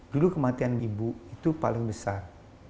dulu kematian ibu itu paling besar